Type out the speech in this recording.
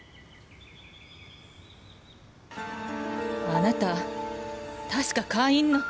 あなた確か会員の。